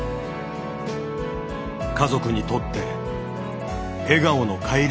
家族にとって笑顔の帰り道となった。